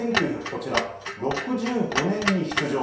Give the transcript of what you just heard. こちら６５年に出場。